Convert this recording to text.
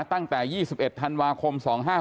ตั้งแต่๒๑ธันวาคม๒๕๖๖